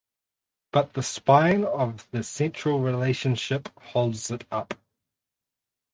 But the spine of the central relationship holds it up.